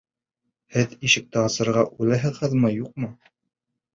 Һеҙ ишекте асырға уйлайһығыҙмы, юҡмы?!